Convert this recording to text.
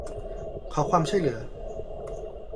ความช่วยเหลือ